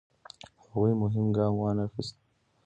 هغوی مهم ګام وانخیست.